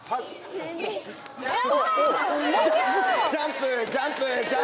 ジャンプジャンプジャンプジャンプ！